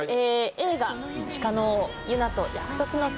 映画『鹿の王ユナと約束の旅』。